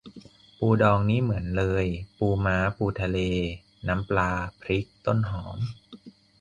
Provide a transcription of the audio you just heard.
ปูดองนี่เหมือนเลย ปูม้า ปูทะเล น้ำปลา พริก ต้นหอม